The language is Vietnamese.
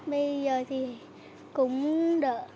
bây giờ thì cũng đỡ